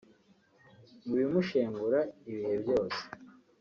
Mu bimushengura igihe cyose